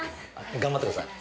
頑張ってください。